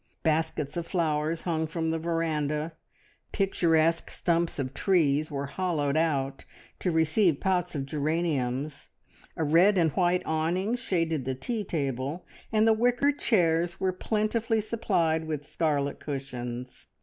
Baskets of flowers hung from the verandah; picturesque stumps of trees were hollowed out to receive pots of geraniums; a red and white awning shaded the tea table; and the wicker chairs were plentifully supplied with scarlet cushions.